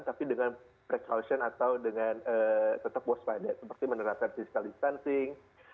tapi dengan precaution atau dengan tetap waspada seperti menerapkan physical distancing